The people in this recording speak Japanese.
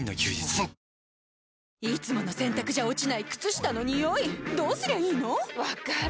あふっいつもの洗たくじゃ落ちない靴下のニオイどうすりゃいいの⁉分かる。